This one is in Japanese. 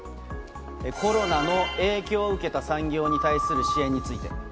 コロナの影響を受けた産業に対する支援について。